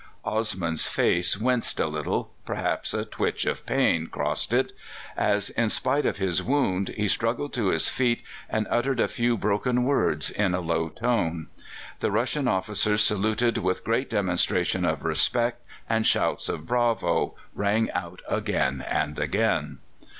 Osman's face winced a little perhaps a twitch of pain crossed it as, in spite of his wound, he struggled to his feet and uttered a few broken words in a low tone. The Russian officers saluted with great demonstration of respect, and shouts of "Bravo!" rang out again and again.